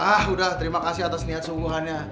ah udah terima kasih atas niat sungguhannya